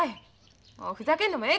もうふざけんのもええ